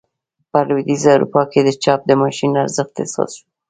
په لوېدیځه اروپا کې د چاپ د ماشین ارزښت احساس شو.